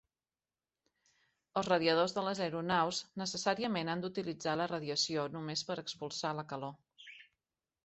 Els radiadors de les aeronaus necessàriament han d'utilitzar la radiació només per expulsar la calor.